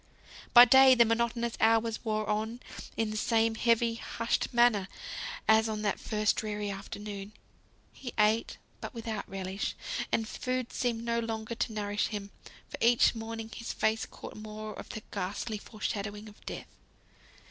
By day the monotonous hours wore on in the same heavy, hushed manner as on that first dreary afternoon. He ate, but without relish; and food seemed no longer to nourish him, for each morning his face had caught more of the ghastly fore shadowing of Death.